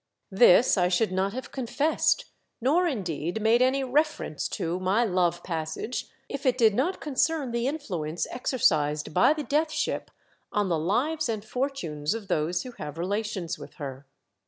This I should not have confessed, nor indeed made any reference to my love passage, if it did not concern the influence exercised by the Death Ship on the lives and fortunes of those who have relations with her.